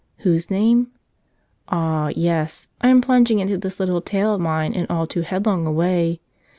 Whose name? Ah, yes; I am plunging into this little tale of of mine in all too headlong a way.